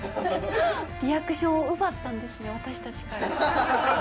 リアクションを奪ったんですね、私たちから。